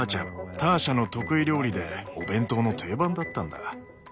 ターシャの得意料理でお弁当の定番だったんだ。